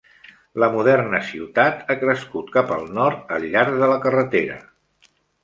La moderna ciutat ha crescut cap al nord al llarg de la carretera.